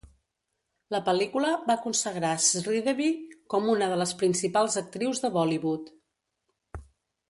La pel·lícula va consagrar Sridevi com una de les principals actrius de Bollywood.